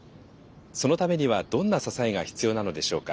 そのためにはどんな支えが必要なのでしょうか。